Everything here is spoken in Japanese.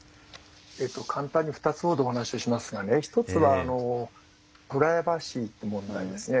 えっと簡単に２つほどお話をしますがね一つはプライバシーって問題ですね。